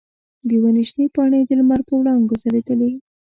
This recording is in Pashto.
د ونې شنې پاڼې د لمر په وړانګو ځلیدلې.